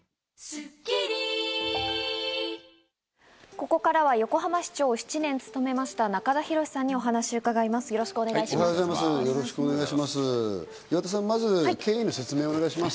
ここからは横浜市長を７年務めました、中田宏さんにお話を伺います、よろしくお願いします。